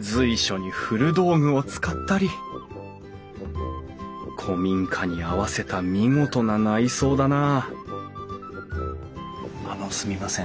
随所に古道具を使ったり古民家に合わせた見事な内装だなああのすみません。